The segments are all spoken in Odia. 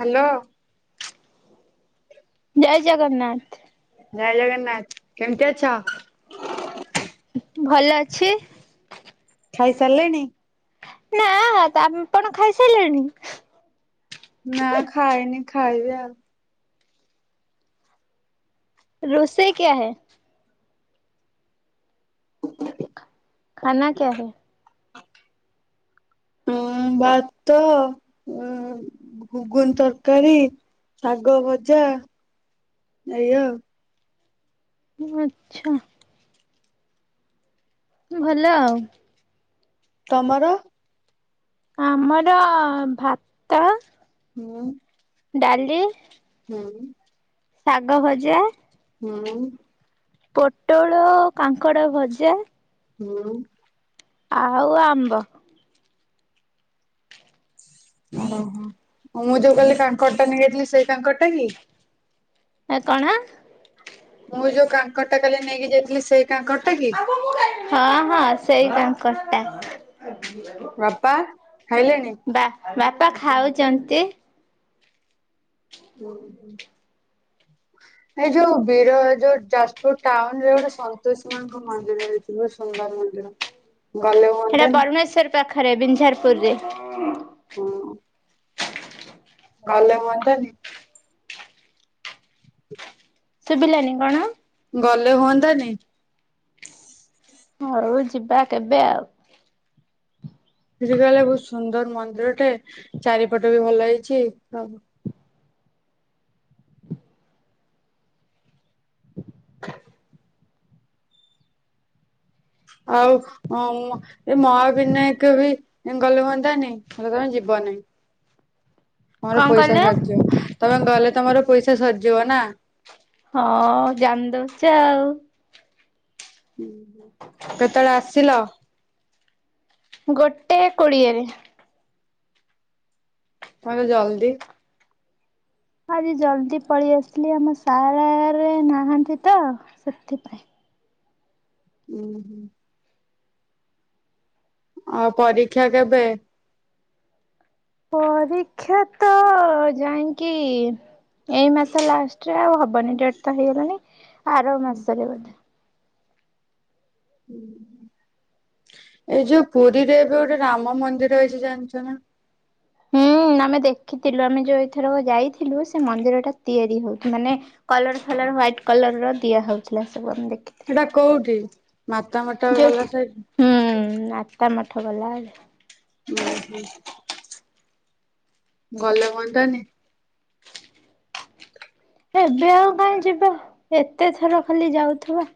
ହ୍ୟାଲୋ। ଜୟ ଜଗନ୍ନାଥ। ଜୟ ଜଗନ୍ନାଥ। କେମିତି ଅଛ? ଭଲ ଅଛି। ଖାଇସାରିଲେଣି? ନା ଆମେପଣ ଖାଇସାରିଲେଣି? ନା ଖାଇନି ଖାଇବି ଆଉ। ରୋଷେଇ କ୍ୟା ହେ? ଖାନା କ୍ୟା ହେଁ? ଉନ୍ ଭାତ ଉଁ ଘୁଗୁନି ତରକାରୀ, ଶାଗ ଭଜା, ଏଇ ଆଉ। [inaudible] [inaudible] ତମର? ଆମର ଭାତ, ହୁଁ। ଡାଲି, ହୁଁ। ଶାଗ ଭଜା, ହୁଁ। ପୋଟଳ, କାଙ୍କଡ଼ ଭଜା, ହୁଁ। ଆଉ ଆମ୍ବ। ଓହୋ। ମୁଁ ଯୋଉ କାଲି କାଙ୍କଡ଼ ଟା ନେଇଯାଇଥିଲି ସେଇ କାଙ୍କଡ଼ ଟା କି? ଏ କଣ? ମୁଁ ଯୋଉ କାଙ୍କଡ଼ ଟା କାଲି ନେଇକି ଯାଇଥିଲି ସେଇ କାଙ୍କଡ଼ ଟା କି? ହଁ ହଁ ସେଇ ବାଙ୍କଟା। ବାପା ଖାଇଲେଣିି? ବା ବାପା ଖାଉଛନ୍ତି। ହୁଁ ହୁଁ। ଏଇ ଯୋଉ ବିର ଯୋଉ ଯାଜପୁର ଟାଉନ୍ ରେ ଗୋଟେ ସନ୍ତୋଶୀ ମାଙ୍କ ମନ୍ଦିର ହେଇଥିବ ସୁନ୍ଦର ମନ୍ଦିର। ଗଲେ ସେଟା ହୁଅନ୍ତାନି ବରୁଣେଶ୍ଵର ପାଖରେ ବିଞ୍ଜାରପୁରରେ। ହୁଁ। [unintelligible] ଶୁଭିଲାନି କଣ? ଗଲେ ହୁଅନ୍ତାନି? ଘରୁ ଯିବା କେବେ ଆଉ? ସେଠି କାଳେ ବହୁତ ସୁନ୍ଦର ମନ୍ଦିରଟେ ଚାରିପଟ ବି ଭଲ ହେଇଛି ସବ ଆଉ ଅମ୍ ଏ ମହା ବିନାୟକ ବି ଗଲେ ହୁଅନ୍ତାନି ତମେ ଜମା ଯିବନାହିଁ। ମୋର କଣ ପଇସା କହିଲେ ସରିଜିବ ତମେ ଗଲେ ତମର ପଇସା ସରିଜିବ ନା? ହଁ ଜାଣି ଦଉଛ ଆଉ। କେତେବେଳେ ଆସିଲ? ଗୋଟେ କୋଡ଼ିଏରେ। ତାହଲେ ଜଲ୍ଦି ହଁ ଆଜି ଜଲ୍ଦି ପଳେଇ ଆସିଲି ଆମ ସାର୍ରେ ନାହାନ୍ତି ତ ସେଥିପାଇଁ। ଉୁଁ ହୁଁ। ଆଉ ପରୀକ୍ଷା କେବେ? ପରୀକ୍ଷା ତ ଯାଇକି ଏଇ ମାସ ଲାଷ୍ଟରେ ଆଉ ହବନି ଡେଟ୍ ତ ହେଇଗଲାଣି ଆର ମାସରେ ବୋଧେ। ଏଇ ଯୋଉ ପୁରୀରେ ଏବେ ଗୋଟେ ରାମ ମନ୍ଦିର ହେଇଛି ଜାଣିଛ ନା? ହୁଁ ଆମେ ଦେଖିଥିଲୁ ଆମେ ଯୋଉ ଏଇଥରକ ଯାଇଥିଲୁ ସେ ମନ୍ଦିର ଟା ତିଆରି ହଉ ମାନେ କଲର ଫଲର ହ୍ଵାଇଟ୍ କଲର ର ଦିଆ ହଉଥିଲା ସବୁ ଆମେ ଦେଖିଥିଲୁ। ସେଇଟା କୋଉଠି ମାତା ମଠ ଗଲା ସାଇଟ୍ ହୁ ମାତା ମଠ ଗଲା ବେଳେ। ଉଁ ହୁଁ। ଗଲେ ହୁଅନ୍ତାନି? ଏବେ ଆଉ କାଇଁ ଯିବା ଏତେ ଥର ଖାଲି ଯାଉଥିବା।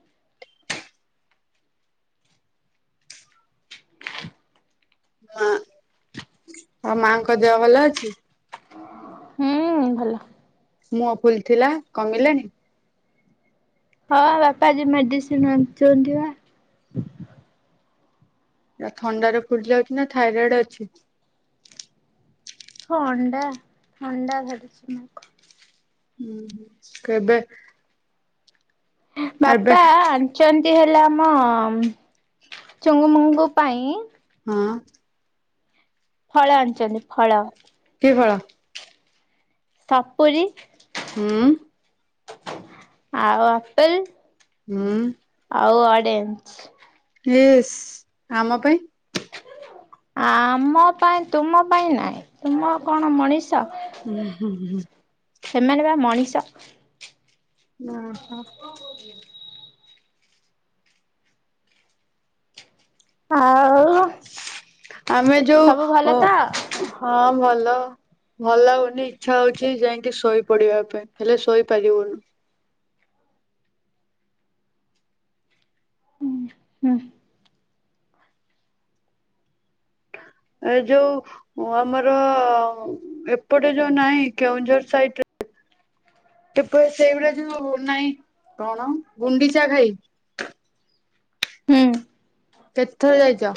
ମା ଆଉ ମାଙ୍କ ଦେହ ଭଲ ଅଛି? ହୁଁ ଭଲ। ମୁଁହ ଫୁଲ ଥିଲା କମିଲାଣି? ହଁ ବାପା ଆଜି ମେଡିସିନ ଆଣିଛନ୍ତି ପା। ଏ ଥଣ୍ଡାରେ ଫୁଲି ଯାଉଛି ନା ଥାଇରଏଡ୍ ଅଛି? ଥଣ୍ଡା ଥଣ୍ଡା ଧରିଛି ମାଆକୁ। ଉଁ ହୁଁ କେବେ? ଏବେ ବାପା ଆନ୍ ଆଣିଛନ୍ତି ହେଲା ଆମ ଚୁଙ୍ଗୁ ମୁଙ୍ଗୁ ପାଇଁ ହଁ। ଫଳ ଆଣିଛନ୍ତି ଫଳ। କି ଫଳ ସପୁରି ହୁଁ ଆଉ ଆପେଲ ହୁଁ ଆଉ ଅଡେଞ୍ ୟିସ୍ ଆମ ପାଇଁ ଆମ ପାଇଁ ତୁମ ପାଇଁ ନାଇଁ ତୁମ କଣ ମଣିଷ। ହୁଁ ହୁଁ ହୁଁ ସେମାନେ ବା ମଣିଷ। ହଁ ହୋ ଆଉ ଆମେ ସବୁ ଭଲ ଯୋଉ ତ ହଁ ଭଲ। ଭଲ ଲାଗୁନି ଇଚ୍ଛା ହଉଛି ଯାଇକି ଶୋଇ ପଡିବା ପାଇଁ ହେଲେ ଶୋଇପାରିବୁନି। ହୁଁ ଏ ଯୋଉ ଆମର ଏପଟେ ଯୋଉ ନାହିଁ କେଉଁଝର ସାଇଡରେ ତ ସେଇଭଳିଆ ଯୋଉ ନାଇଁ କଣ? ଗୁଣ୍ଡିଚା ଖାଇ। ହୁଁ। କେତେଥର ଯାଇଛ?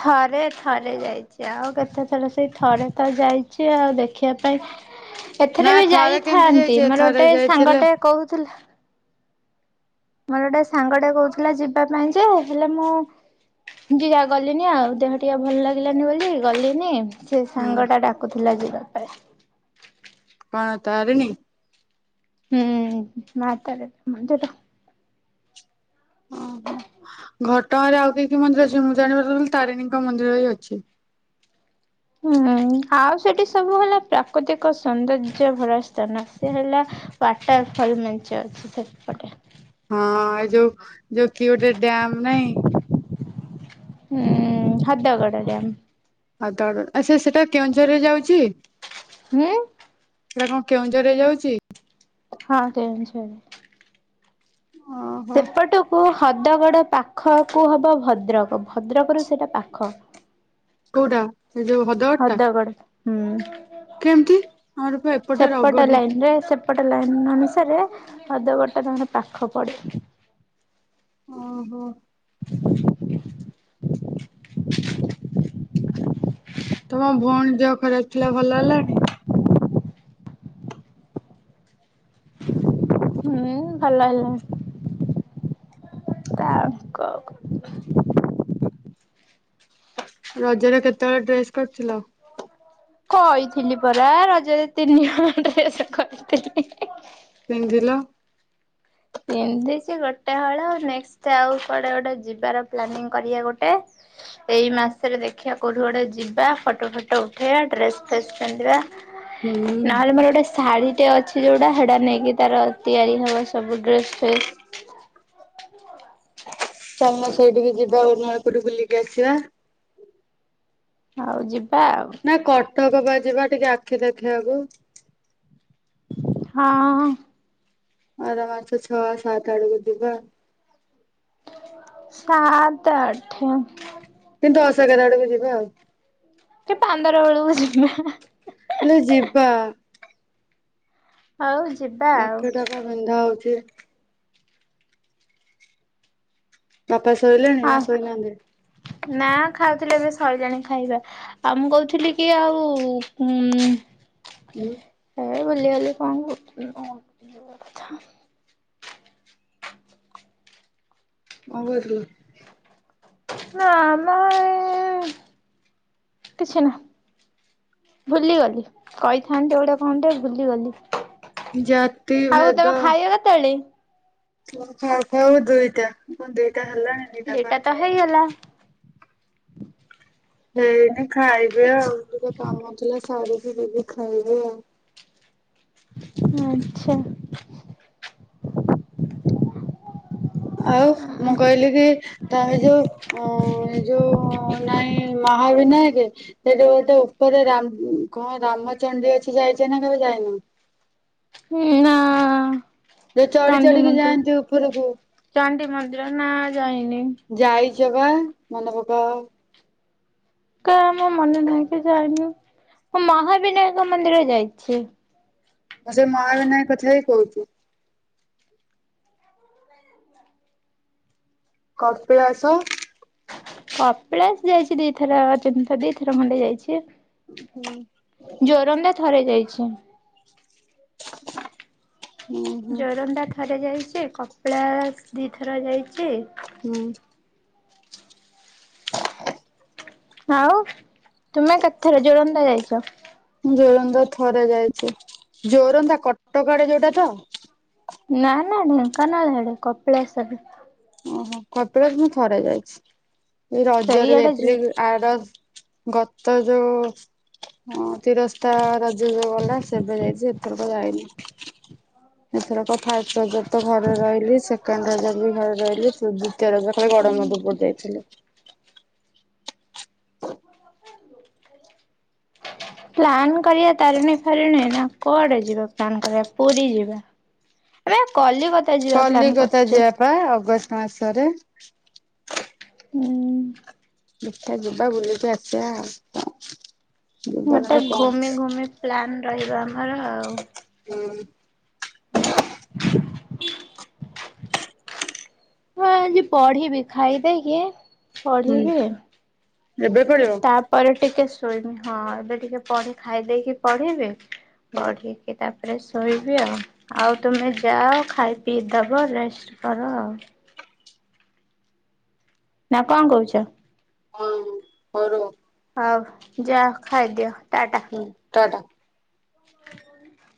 ଥରେ ଥରେ ଯାଇଛି ଆଉ କେତେଥର ସେଇ ଥରେ ତ ଯାଇଛି ଆଉ ଦେଖିବା ପାଇଁ ଏଥିରେ ନା ବି ଥରେ କେମିତି ଯାଇଥାନ୍ତି ଯାଇଛେ ମୋର ଥରେ ଗୋଟେ ଯାଇଥିଲେ ସାଙ୍ଗଟେ କହୁଥିଲା ମୋର ଗୋଟେ ସାଙ୍ଗଟେ କହୁଥିଲା ଯିବା ପାଇଁ ଯେ ହେ ହେଲେ ମୁଁ ଯ ଯା ଗଲିନି ଆଉ ଦେହ ଟିକେ ଭଲ ଲାଗିଲାନି ବୋଲି ଗଲିନି ସେ ହୁଁ ସାଙ୍ଗଟା ଡାକୁଥିଲା ଯିବା ପାଇଁ। କଣ ତାରିଣି। ହୁଁ ମାତାରିଣି ମନ୍ଦିର। ହ ଓହୋ। ଘଟଗାଁରେ ଆଉ କି କି ମନ୍ଦିର ଅଛି ମୁଁ ଜାଣିବାରେ ଖାଲି ତାରିଣୀଙ୍କ ମନ୍ଦିର ବି ଅଛି। ହୁଁ ଆଉ ସେଠି ସବୁ ହେଲା ପ୍ରାକୃତିକ ସୌନ୍ଦର୍ଯ୍ୟ ଭରା ସ୍ଥାନ ସେ ହେଲା ୱାଟର ଫଲ୍ ମେଞ୍ଚେ ଅଛି ସେପଟେ। ହଁ ଏ ଯୋଉ ଯୋଉ କି ଗୋଟେ ଡ୍ୟାମ ନାଇଁ। ହୁଁ ହଦଗଡ଼ା ଡ୍ୟାମ୍। ହାଦଗଡା ଆଛା ସେଟା କେଉଁଝର ରେ ଯାଉଛି? ହଁ ଏଟା କଣ କେଉଁଝର ରେ ଯାଉଛି। ହଁ କେଉଁଝର ରେ। ଓହୋ ସେପଟକୁ ହ୍ରଦଗଡ ପାଖ କୁ ହବ ଭଦ୍ରକ ଭଦ୍ରକରୁୁ ସେଇଟା ପାଖ। କୋଉଟା ସେ ଯୋଉ ହଦ ହଦଗଡ ହୁଁ କେମିତି ଆମର ପା ଏପଟେ ସେପଟ ରଗଡି ଲାଇନ ରେ ସେ ଏପଟ ଲାଇନ୍ ଅନୁସାରେ ହଦଗଡ ଟା ତାଙ୍କର ପାଖ ପଡ଼େ। ଓହୋ [inaudible] ତମ ଭଉଣୀ ଦେହ ଖରାପ ଥିଲା ଭଲ ହେଲାଣି। ହୁଁ ଭଲ ହେଲା ତ। କ ରଜରେ କେତେ ହଳ ଡ୍ରେସ୍ କରିଥିଲ। କହିଥିଲି ପରା ରଜରେ ତିନି ହଳ ତ୍ରେସେ କହିଥିଲି। ପିନ୍ଧିଲ? ପିନ୍ଧିଛି ଗୋଟେ ହଳ। ନେକ୍ଷ୍ଟେ ଆଉ କୁଆଡେ ଗୋଟେ ଯିବାର ପ୍ଲାନିଂ କରିବା ଗୋଟେ। ଏଇ ମାସରେ ଦେଖିବା କୋଉଠି ଗୋଟେ ଯିବା। ଫଟୋ ଫଟୋ ଉଠେଇବା। ଡ୍ରେସ ଫ୍ରେସ ପିନ୍ଧିବା। ହୁଁ ନହେଲେ ମୋର ଗୋଟେ ଶାଢୀ ଟେ ଅଛି ଯୋଉଟା ସେଟା ନେଇକି ତାର ତିଆରି ହବ ସବୁ ଡ୍ରେସ୍ ଫେସ୍। ଚାଲୁନ ସେଇଠିକି ଯିବା [inaudible] ବୁଲିକି ଆସିବା। ହଉ ଯିବା ଆଉ। ନାଇଁ କଟକ ବା ଯିବା ଟିକେ ଆଖି ଦେଖିଇବାକୁ। ହଁ ଆର ମାଛ ଛଅ, ସାତ ଆଡକୁ ଯିବା। ସାତ, ଆଠ। କି ଦଶ, ଏଗାର ଆଡ଼ୁକୁ ଯିବା ଆଉ। କି ପାନ୍ଦର ବେଳକୁ ଜିବା? ହେଲେ ଯିବା। ହଉ ଯିବା ଆଉ। ଆଖିଟା ବା ବିନ୍ଧା ହଉଛି। ବାପା ଶୋଇଲେଣି ହଁ ନା ଶୋଇନାହାନ୍ତି? ନା ଖାଉଥିଲେ ଏବେ ଶଇଲାଣି ଖାଇବା। ଆଉ ମୁଁ କହୁଥିଲି କି ଆଉ ଉଁ ଉଁ [inaudible] କଥା କଣ କରୁଥିଲୁ? ନା ଆମ ଘରେ କିଛି ନା ଭୁଲିଗଲି। କହିଥାନ୍ତି ଗୋଟେ କଣ ଟେ ଭୁଲିଗଲି। ଜାତି ଆଉ ତମେ ଖାଇବ କେତେବେଳେ? ଆମର ଖାଉ ଖାଉ ଦୁଇଟା। କଣ ଦୁଇଟା ହେଲାଣି? ଦୁଇଟା ବା ଦିଟା ତ ହେଇନି। ହେଇଗଲା ହୁଁ, ମୁଁ ଖାଇବି ଆଉ। ଟିକେ କାମ ଥିଲା ସାରିକି ଯିବି ଖାଇବି ଆଉ। ଆଚ୍ଛା। ଆଉ ମୁଁ କହିଲି କି, ତାର ଯୋଉ ଅ ଯୋଉ ନାଇଁ ଏ ମହାବିନାୟେକେ? ସେଠି ଗୋଟେ ଉପରେ କଣ ରାମଚଣ୍ଡୀ ଅଛି ଯାଇଛ ନା କେବେ ଯାଇନ? ହୁଁ, ନା। ଯଉ ଚଢ଼ି ଚଣ୍ଡୀ ଚଢ଼ିକି ମନ୍ଦିର ଯାଆନ୍ତି ଉପରକୁ। ଚଣ୍ଡୀ ମନ୍ଦିର ନା ଯାଇନି ଯାଇଛ ବା। ମନେ ପକାଅ। କଇଁ ଆମ ମନେ ନାହିଁ କି ଜାଇନି। ମୁଁ ମହାବିନାୟକ ମନ୍ଦିର ଯାଇଛି। ମୁଁ ସେ ମହାବିନାୟକ କଥା ହିଁ କହୁଛୁ। କପିଳାସ? କପିଳାସ ଯାଇଛି ଦିଥର, ତିନିଥର, ଦିଥର ଖଣ୍ଡେ ଯାଇଛି। ହୁଁ ଯୋରନ୍ଦା ଥରେ ଯାଇଛି। ହୁଁ ହୁଁ। ଜୋରନ୍ଦା ଥରେ ଯାଇଛି। କପଳାସ ଦି ଥର ଯାଇଛି। ହୁଁ [inaudible] ଆଉ, ତୁମେ କେତେଥର ଜୋରନ୍ଦା ଯାଇଛ? ଜୋରନ୍ଦା ଥରେ ଯାଇଛି ଜୋରନ୍ଦା କଟକ ଆଡ଼େ ଯୋଉଟା ତ। ନା ନା ଢେଙ୍କାନାଳ ଆଡେ କପିଳାସ ଆଡ଼େ। ଓହୋ କପିଳାସ ମୁଁ ଥରେ ଯାଇଛି ଏଇ ରଜରେ ସେଇଆଡେ ଯାଇଥିଲି ଯା ଆର? ଗତ ଯୋଉ। ହଁ ତିରସ୍ତା ରଜ ଯୋଉ ଗଲା ସେବେ ଯାଇଛି ଏବେ ତ ଯାଇନି। ଏଥର କ ଫଷ୍ଟ ରଜରେ ତ ଘରେ ରହିଲି ସେକେଣ୍ଡ ରଜରେ ବି ଘରେ। ରହିଲି ଦିତୀୟ ରଜରେ ଗଡମଧୁପୁର ଯାଇଥିଲି। [unintelligible] ପ୍ଲାନ୍ କରିବା ତାରିଣୀ ଫାରିଣୀ ନା କୁଆଡେ ଯିବା ପ୍ଲାନ୍ କରିବା ପୁରୀ ଯିବା। ଏବେ କଲିକତା ଯିବା ପ୍ଲାନ୍ କରିୁଛ। ବା ଅଗଷ୍ଟ ମାସରେ। ହୁଁ। ଦେଖା ଯିବା ବୁଲିକି ଆସିବା ଆଉ। ଗୋଟେ ଜୀବନର କଣ ଘୁମି ଅଛି। ଘୁମି ପ୍ଲାନ ରହିବ ଆମର ଆଉ। ହୁଁ। [unintelligible] ହଁ ଆଜି ପଢିବି ଖାଇଦେଇକି ହୁଁ ପଢିବି। ଏବେ ପଢ଼ିବ। ତାପରେ ଟିକେ ଶୋଇମି ହଁ ଏବେ ଟିକେ ପଢି ଖାଇ ଦେଇକି ପଢ଼ିଲେ ପଢ଼ି। ତାପରେ ଶୋଇବି ଆଉ ଆଉ ତୁମେ ଯାଅ ଖାଇ ପିଇ ଦେବ ରେଷ୍ଟ? କରଉ? ନା କଣ କହୁଛ। ହଉ ହଉ ରୁହ। ଆଉ ଯଅ ଖାଇଦିଅ ଟାଟା। ଟା ଟା। ହ [unintelligible]